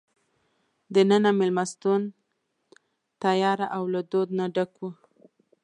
دننه مېلمستون تیاره او له دود نه ډک وو.